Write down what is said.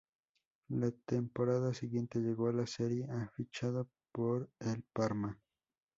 La temporada siguiente llegó a la Serie A fichando por el Parma.